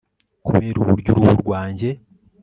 kubera uburyo uruhu rwanjye